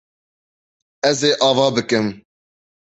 Ez ê ava bikim.